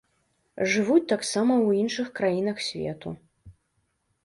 Жывуць таксама ў іншых краінах свету.